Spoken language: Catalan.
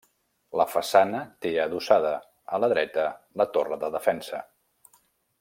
La façana té adossada, a la dreta, la torre de defensa.